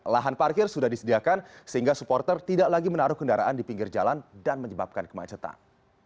lahan parkir sudah disediakan sehingga supporter tidak lagi menaruh kendaraan di pinggir jalan dan menyebabkan kemacetan